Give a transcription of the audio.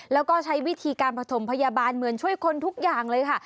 แล้วก็ใช้วิธีการผสมพยาบาลเหมือนช่วยคนทุกอย่างเลยค่ะ